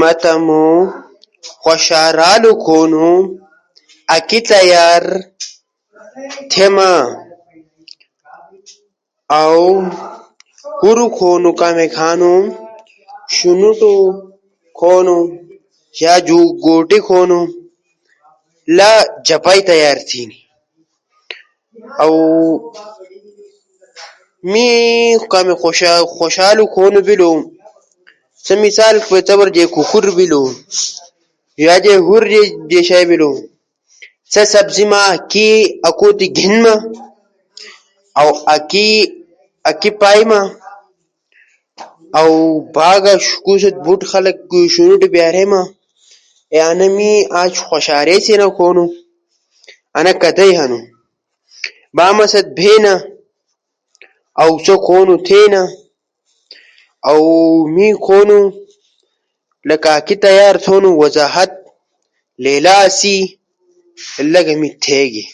ما تمو خوشارالا کھونو آکی تیار تھیما۔ اؤ ہورو کھونو کامیک ہنو شنوٹو کھونو، یا جو گوٹے کھونو، لا جپؤی تیار تھینی۔ اؤ می کامیک خوشالو کھونو بیلو سا مثال تی طور کوکوٹ بیلو۔ یا جے ہور جو شیئی بیلو، سا سبزی ما کے اکھو تی گھیننا، اؤ اکے پائیما، اؤ با آسو تی بوٹ خلق تی گوٹ آسو تیاریما، اؤ انا می آج خوشاریسینا کھونو، انا کتئی ہنی۔ با مو ست دھینا، اؤ سا کھونو تھینا، اؤ می کھونو لکہ کے تیار تھونو وضاحت لیلا آسی لاگا می تھیگی۔